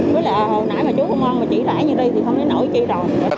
với là hồi nãy mà chú không ngon mà chỉ lãi như đây thì không lấy nổi chi đâu